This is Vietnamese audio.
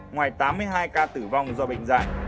ngoài tám mươi hai ca tử vong do bệnh dại